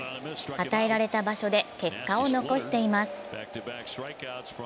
与えられた場所で結果を残しています。